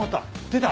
出た。